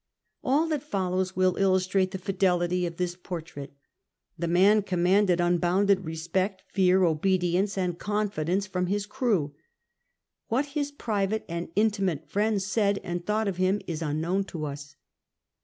All that follows will illustrate the fidelity of this por trait. The man commanded unbounded respeetj fear, obedience, and confidence from liis crew. AVhat his private and intimate friends said and thought of him is unknown to us.